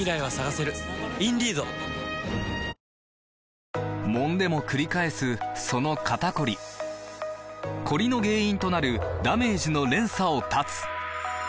ニトリもんでもくり返すその肩こりコリの原因となるダメージの連鎖を断つ！